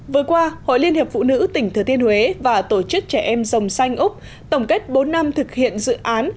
vừa qua hội liên hiệp phụ nữ tỉnh thừa thiên huế và tổ chức trẻ em dòng xanh úc tổng kết bốn năm thực hiện dự án